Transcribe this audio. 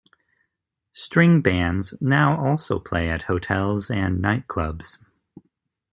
String bands now also play at hotels and nightclubs.